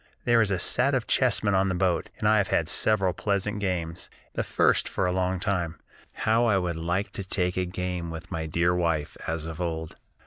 "There is a set of chessmen on the boat, and I have had several pleasant games, the first for a long time. How I would like to take a game with my dear wife, as of old.